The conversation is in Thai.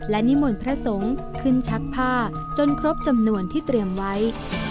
และนิมนต์พระสงฆ์ขึ้นชักผ้าจนครบจำนวนที่เตรียมไว้